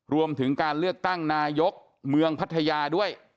รวมถึงการเลือกตั้งนายกเมืองพัทยาด้วย